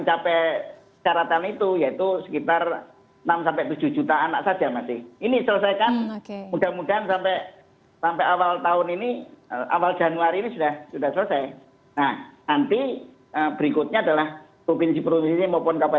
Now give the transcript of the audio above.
ya proses ini interventions ini persisasi harganya ini perude karakterkomunikasi tulem kare undersiens ini radya anlam